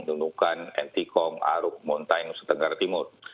dunukan entikong aruk montainus setenggara timur